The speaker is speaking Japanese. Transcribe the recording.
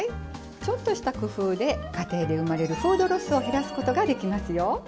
ちょっとした工夫で家庭で生まれるフードロスを減らすことができますよ。